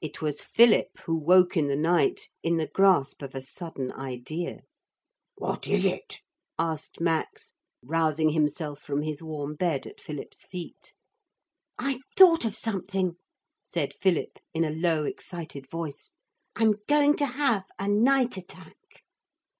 It was Philip who woke in the night in the grasp of a sudden idea. 'What is it?' asked Max, rousing himself from his warm bed at Philip's feet. 'I've thought of something,' said Philip in a low excited voice. 'I'm going to have a night attack.'